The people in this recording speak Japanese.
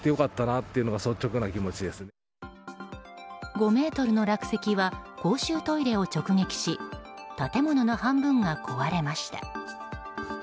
５ｍの落石は公衆トイレを直撃し建物の半分が壊れました。